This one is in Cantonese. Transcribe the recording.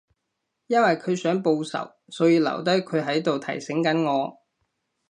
因為佢想報仇，所以留低佢喺度提醒緊我